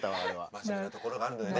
真面目なところがあるのよね。